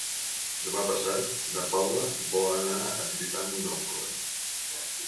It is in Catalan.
Demà passat na Paula vol anar a visitar mon oncle.